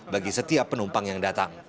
bagi setiap penumpang yang datang